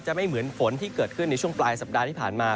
ไม่เหมือนฝนที่เกิดขึ้นในช่วงปลายสัปดาห์ที่ผ่านมา